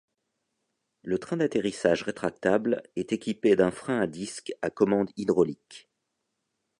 Le train d'atterrissage rétractable est équipé d'un frein à disque à commande hydraulique.